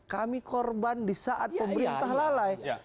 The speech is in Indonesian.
kami korban di saat pemerintah lalai